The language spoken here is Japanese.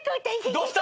どうした！？